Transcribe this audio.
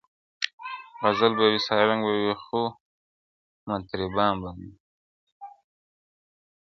غزل به وي سارنګ به وي خو مطربان به نه وي-